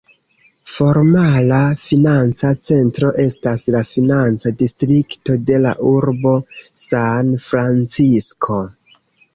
Formala financa centro estas la financa distrikto de la urbo San-Francisko.